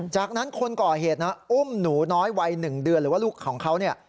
จากนั้นคนก่อเหตุนะอุ้มหนูน้อยวัย๑เดือนหรือว่าลูกของเขาเนี่ย